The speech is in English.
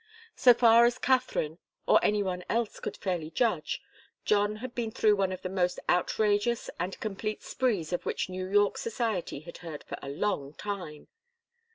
So far as Katharine or any one else could fairly judge, John had been through one of the most outrageous and complete sprees of which New York society had heard for a long time.